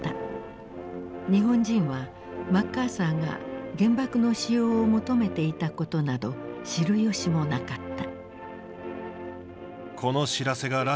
日本人はマッカーサーが原爆の使用を求めていたことなど知る由もなかった。